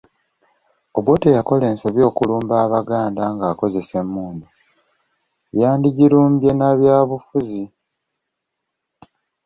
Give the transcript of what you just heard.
Obote yakola ensobi okulumba Buganda ng’akozesa emmundu, yandigirumbye na byabufuzi.